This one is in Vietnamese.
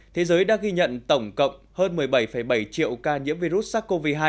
thế giới đã ghi nhận tổng cộng hơn một mươi bảy bảy triệu ca nhiễm virus sars cov hai